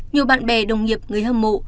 nhiều bạn bè đồng nghiệp người hâm mộ